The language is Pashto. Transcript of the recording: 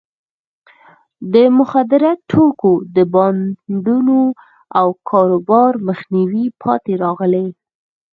د مخدره توکو د بانډونو او کاروبار مخنیوي پاتې راغلی.